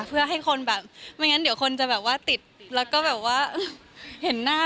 เพื่อให้คนแบบไม่งั้นเดี๋ยวคนจะแบบว่าติดแล้วก็แบบว่าเห็นหน้า